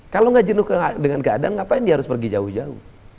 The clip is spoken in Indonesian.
kalau gak jenuh dengan keadaan ngapain dia harus pergi jauh jauh